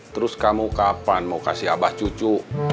terus kamu kapan mau kasih abah cucu